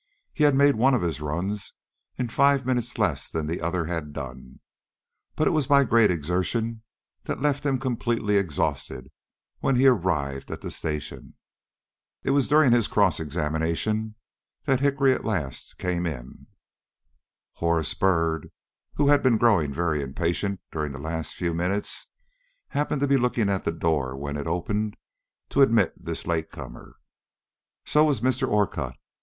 He had made one of his runs in five minutes less than the other had done, but it was by a great exertion that left him completely exhausted when he arrived at the station. It was during his cross examination that Hickory at last came in. Horace Byrd, who had been growing very impatient during the last few minutes, happened to be looking at the door when it opened to admit this late comer. So was Mr. Orcutt.